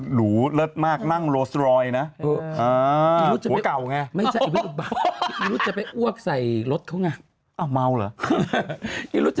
หรือว่าเสียใจไปที่ไหนบ้างพี่หนุ่ม